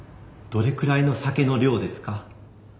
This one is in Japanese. どれくらいの酒の量ですか？